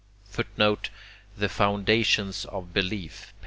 [Footnote: The Foundations of Belief, p.